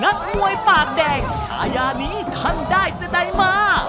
นักมวยปากแดงฉายานี้ท่านได้แต่ใดมา